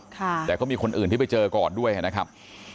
แต่ก็มีคนอื่นที่ไปเจอก่อนด้วยนะครับ